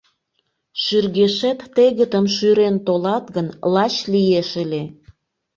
Шӱргешет тегытым шӱрен толат гын, лач лиеш ыле!..